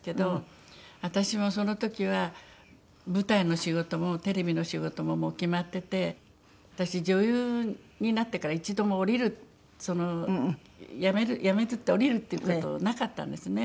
私もその時は舞台の仕事もテレビの仕事ももう決まってて私女優になってから一度も降りるやめる降りるっていう事なかったんですね。